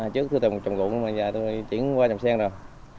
trước tôi từng trồng rụng bây giờ tôi chuyển qua trồng sen rồi